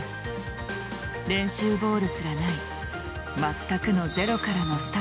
練習ボールすらない全くのゼロからのスタートだった。